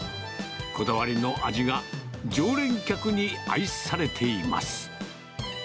こだわりの味が、常連客に愛されています。